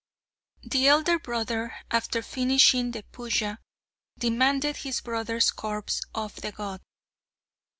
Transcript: The elder brother, after finishing the puja, demanded his brother's corpse of the god.